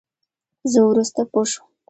زه ورورسته پوشوم.